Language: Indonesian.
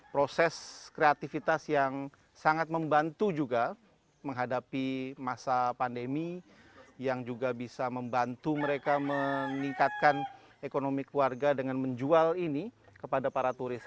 proses kreativitas yang sangat membantu juga menghadapi masa pandemi yang juga bisa membantu mereka meningkatkan ekonomi keluarga dengan menjual ini kepada para turis